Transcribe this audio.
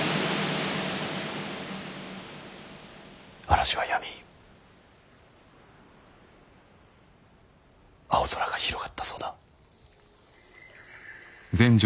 嵐はやみ青空が広がったそうだ。